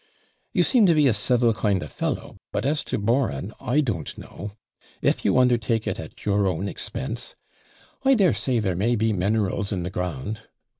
'You seem to be a civil kind of fellow; but, as to boring, I don't know if you undertake it at your own expense. I dare say there may be minerals in the ground.